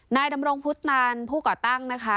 นายดำรงพุทธนันผู้ก่อตั้งนะคะ